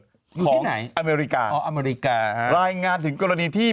อยู่ที่ไหนอ๋ออเมริกาฮะรายงานถึงกรณีที่